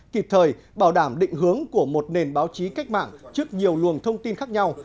kịp thời bảo đảm định hướng của một nền báo chí cách mạng trước nhiều luồng thông tin khác nhau